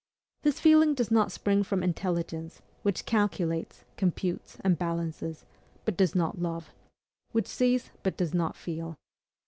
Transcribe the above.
This feeling does not spring from intelligence, which calculates, computes, and balances, but does not love; which sees, but does not feel.